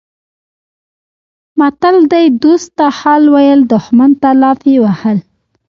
متل دی: دوست ته حال ویل دښمن ته لافې وهل